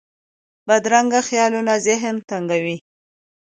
بدرنګه خیالونه ذهن تنګوي